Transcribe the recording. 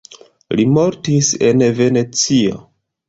Li mortis en Venecio.